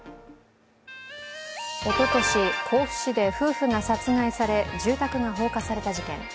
おととし、甲府市で夫婦が殺害され住宅が放火された事件。